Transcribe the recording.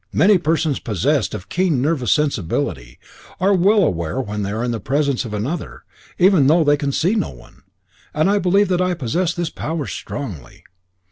Many persons possessed of keen nervous sensibility are well aware when they are in the presence of another, even though they can see no one, and I believe that I possess this power strongly.